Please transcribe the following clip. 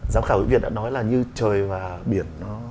giám khảo hữu việt đã nói là như trời và biển